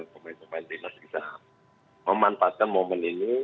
pemain tim masih bisa memanfaatkan momen ini